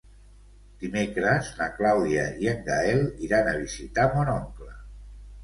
Dimecres na Clàudia i en Gaël iran a visitar mon oncle.